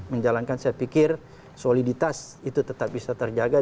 menjalankan saya pikir soliditas itu tetap bisa terjaga